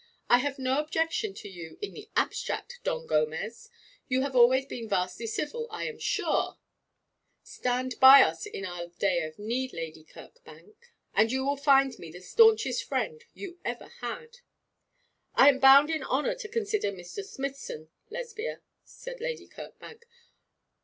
'I have no objection to you in the abstract, Don Gomez. You have always been vastly civil, I am sure ' 'Stand by us in our day of need, Lady Kirkbank, and you will find me the staunchest friend you ever had.' 'I am bound in honour to consider Mr. Smithson, Lesbia,' said Lady Kirkbank.